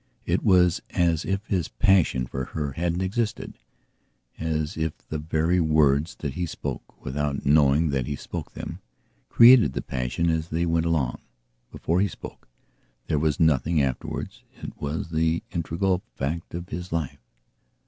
It was as if his passion for her hadn't existed; as if the very words that he spoke, without knowing that he spoke them, created the passion as they went along. Before he spoke, there was nothing; afterwards, it was the integral fact of his life.